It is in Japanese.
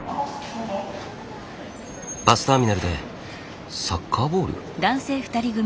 バスターミナルでサッカーボール？